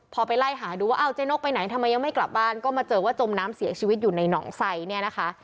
พอไปไล่หาดูว่าเอาเจ๊นกไปไหนทำไมยังไม่กลับบ้านก็มาเจอว่าจมน้ำเสียชีวิตอยู่ในหนองไซเนี่ยนะคะ